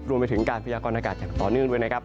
รวมไปถึงการพยากรณากาศอย่างต่อเนื่องด้วยนะครับ